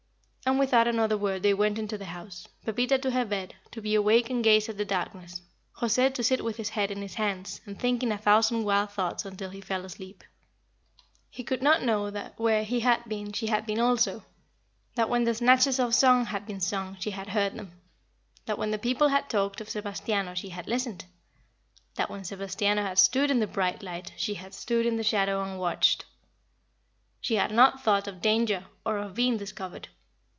And without another word they went into the house, Pepita to her bed to be awake and gaze at the darkness, José to sit with his head in his hands and thinking a thousand wild thoughts until he fell asleep. He could not know that where he had been she had been also; that when the snatches of song had been sung she had heard them; that when the people had talked of Sebastiano she had listened; that when Sebastiano had stood in the bright light she had stood in the shadow and watched. She had not thought of danger or of being discovered.